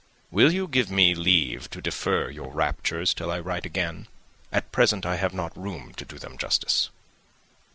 "Will you give me leave to defer your raptures till I write again? At present I have not room to do them justice."